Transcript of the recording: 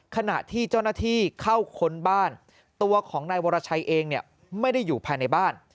ขณะที่เจ้าหน้าที่เข้าค้นบ้านตัวของนายวรชัยเองเนี่ยไม่ได้อยู่ภายในบ้าน